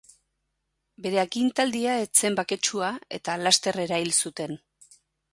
Bere agintaldia ez zen baketsua eta laster erail zuten.